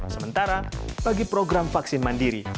sementara bagi program vaksin mandiri